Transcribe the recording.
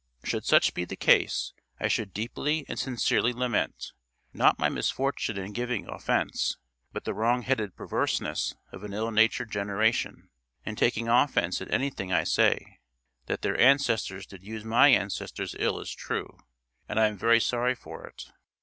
Should such be the case, I should deeply and sincerely lament not my misfortune in giving offence but the wrong headed perverseness of an ill natured generation, in taking offence at anything I say. That their ancestors did use my ancestors ill is true, and I am very sorry for it.